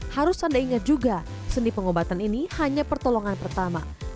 harus anda ingat juga seni pengobatan ini hanya pertolongan pertama